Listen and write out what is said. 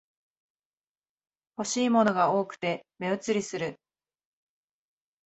欲しいものが多くて目移りする